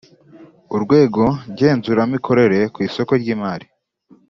urwego ngenzuramikorere ku isoko ry imari